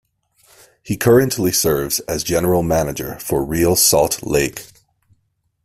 He currently serves as General Manager for Real Salt Lake.